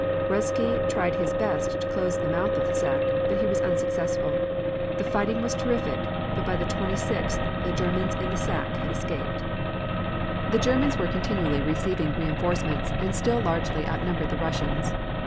Ruzsky tried his best to close the mouth of the sack, but he was unsuccessful. The fighting was terrific, but by the 26th the Germans in the sack had escaped. The Germans were continually receiving reinforcements and still largely outnumbered the Russians.